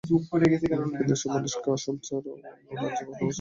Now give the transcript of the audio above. কিন্তু এসব মানুষকে আসাম ছাড়াও অন্য রাজ্যে পুনর্বাসনের সুযোগ করে দিতে হবে।